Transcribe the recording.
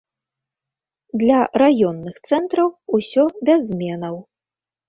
Для раённых цэнтраў усё без зменаў.